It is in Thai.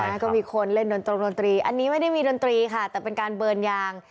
แล้วก็มีคนเล่นดนตรงดนตรีอันนี้ไม่ได้มีดนตรีค่ะแต่เป็นการเบิร์นยาง